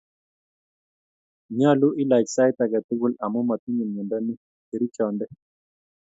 nyolu ilach sait ege tugul amu matinye myondo ni kerichonde